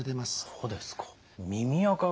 そうですか。